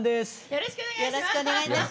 よろしくお願いします。